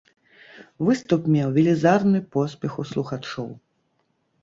Выступ меў велізарны поспех у слухачоў.